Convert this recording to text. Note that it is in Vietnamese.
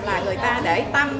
là người ta để tâm